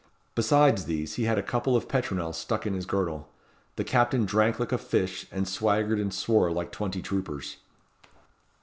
Besides these, he had a couple of petronels stuck in his girdle. The captain drank like a fish, and swaggered and swore like twenty troopers.